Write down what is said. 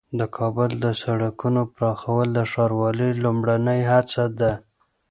د کابل د سړکونو پراخول د ښاروالۍ لومړنۍ هڅه ده.